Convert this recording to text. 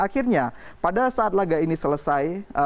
akhirnya pada saat laga ini selesai